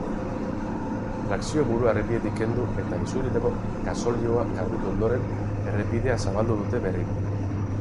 Trakzio-burua errepidetik kendu eta isuritako gasolioa garbitu ondoren, errepidea zabaldu dute berriro.